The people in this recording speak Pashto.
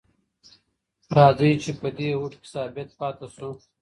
راځئ چې په دې هوډ کې ثابت پاتې شو.